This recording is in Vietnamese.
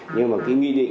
nhưng mà cái nghi định